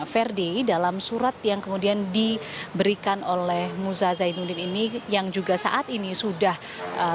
ferdi dalam surat yang kemudian diberikan oleh muza zainuddin ini yang juga saat ini sudah diberikan